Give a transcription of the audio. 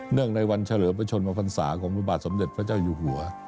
เนื่องในวันเฉลิมประชลมภรรษาของประบาทสำเร็จพระเจ้าอยู่หัว